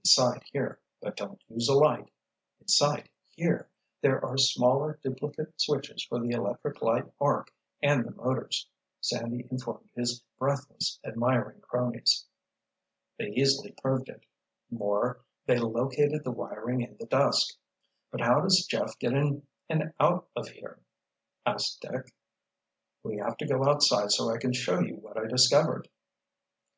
"Inside here—but don't use a light—inside here, there are smaller duplicate switches for the electric light arc and the motors," Sandy informed his breathless, admiring cronies. They easily proved it. More, they located the wiring in the dusk. "But how does Jeff get in and out of here?" asked Dick. "We have to go outside so I can show you what I discovered."